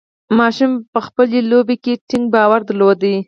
ماشوم په خپلې لوبې کې ټینګ باور درلود.